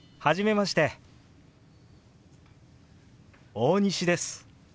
大西です。